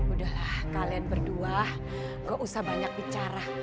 udah lah kalian berdua nggak usah banyak bicara